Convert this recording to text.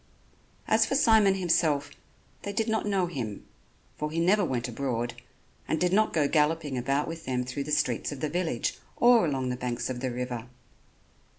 As for Simon himself, they did not know him, for he never went abroad, and did not go galloping about with them through the streets of the village or along the banks of the river.